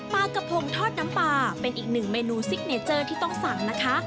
ปลากระพงทอดน้ำปลาเป็นอีกหนึ่งเมนูซิกเนเจอร์ที่ต้องสั่งนะคะ